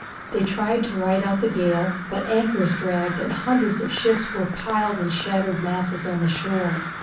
They tried to ride out the gale, but anchors dragged and hundreds of ships were piled in shattered masses on the shore.